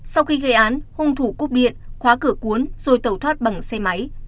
sau khi gây án hung thủ cúp điện khóa cửa cuốn rồi tẩu thoát bằng xe máy